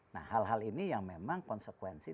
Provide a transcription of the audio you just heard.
nah hal hal ini yang memang konsekuensi